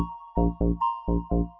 nyamnya mel aneh banget